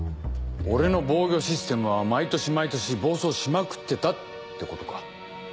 俺の防御システムは毎年毎年暴走しまくってたってことか。